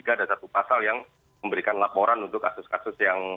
ada satu pasal yang memberikan laporan untuk kasus kasus yang